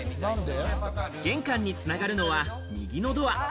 玄関に繋がるのは右のドア。